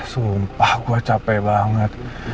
sumpah gue capek banget